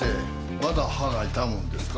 まだ歯が痛むんですか？